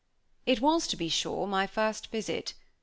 It was, to be sure, my first visit.